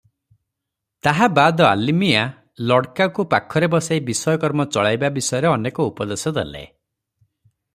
"ତାହା ବାଦ ଆଲିମିଆଁ ଲଡ୍କାକୁ ପାଖରେ ବସାଇ ବିଷୟକର୍ମ ଚଳାଇବା ବିଷୟରେ ଅନେକ ଉପଦେଶ ଦେଲେ ।